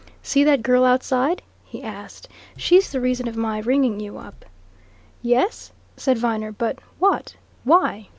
"See that girl outside?" he asked. "She's the reason of my ringing you up." "Yes?" said Viner. "But what why?